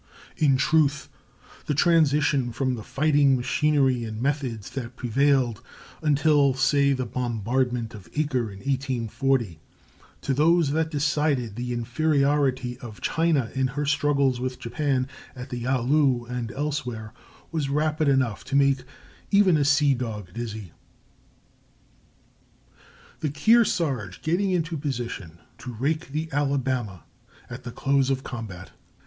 In truth, the transition from the fighting machinery and methods that prevailed until, say, the bombardment of Acre, in 1840, to those that decided the inferiority of China in her struggles with Japan at the Yalu and elsewhere, was rapid enough to make even a sea dog dizzy. [Illustration: THE "KEARSARGE" GETTING INTO POSITION TO RAKE THE "ALABAMA" AT THE CLOSE OF THE COMBAT.